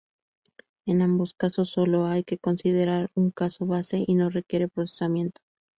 En ambos casos, sólo hay que considerar un caso base, y no requiere procesamiento.